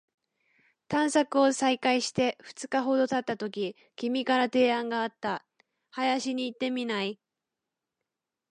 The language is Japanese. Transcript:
探索を再開して二日ほど経ったとき、君から提案があった。「林に行ってみない？」